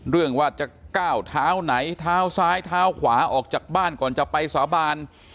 เรื่องว่าจะก้าวเท้าไหนเท้าซ้ายเท้าขวาออกจากบ้านก่อนจะไปสาบาน